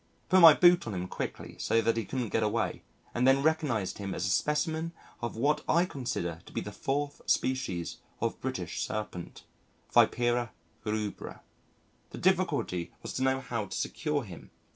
Put my boot on him quickly so that he couldn't get away and then recognised him as a specimen of what I consider to be the fourth species of British Serpent Vipera rubra. The difficulty was to know how to secure him.